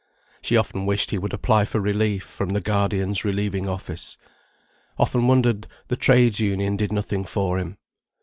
She often wished he would apply for relief from the Guardian's relieving office; often wondered the Trades' Union did nothing for him.